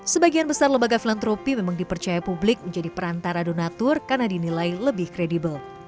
sebagian besar lembaga filantropi memang dipercaya publik menjadi perantara donatur karena dinilai lebih kredibel